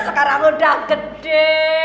sekarang udah gede